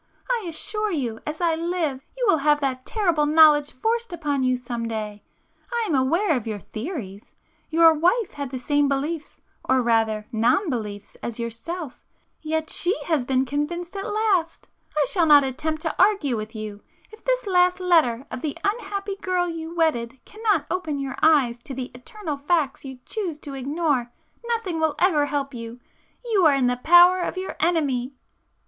I assure you, as I live, you will have that terrible knowledge forced upon you some day! I am aware of your theories,—your wife had the same beliefs or rather non beliefs as yourself,—yet she has been convinced at last! I shall not attempt to argue with you. If this last letter of the unhappy girl you wedded cannot open your eyes to the eternal facts you choose to ignore, nothing will ever help you. You are in the power of your enemy!"